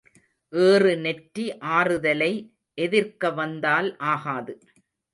ஏறு நெற்றி ஆறுதலை எதிர்க்க வந்தால் ஆகாது.